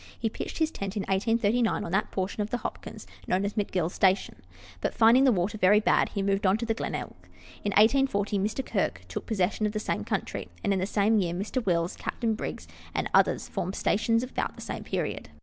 He pitched his tent in 1839 on that portion of the Hopkins known as McGill's station ; but, finding the water very bad, he moved on to the Glenelg. In 1840 Mr. Kirk took possession of the same country ; and in the same year, Mr. Wills, Capt. Briggs, and others formed stations about the same period.